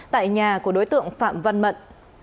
tại nhà của đối tượng phạm văn mận